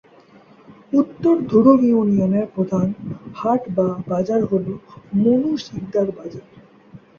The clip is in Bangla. উত্তর ধুরুং ইউনিয়নের প্রধান হাট/বাজার হল মনু সিকদার বাজার।